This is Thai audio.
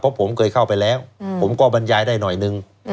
เพราะผมเคยเข้าไปแล้วผมก็บรรยายได้หน่อยนึง